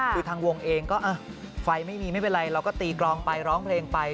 คือทางวงเองก็ไฟไม่มีไม่เป็นไรเราก็ตีกรองไปร้องเพลงไป